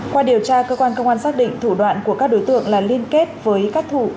qua điều tra cơ quan công an xác định thủ đoạn của các đối tượng là liên kết với các thủ